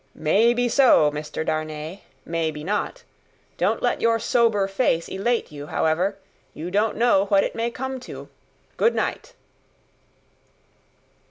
"May be so, Mr. Darnay; may be not. Don't let your sober face elate you, however; you don't know what it may come to. Good night!"